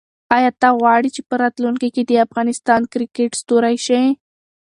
آیا ته غواړې چې په راتلونکي کې د افغانستان د کرکټ ستوری شې؟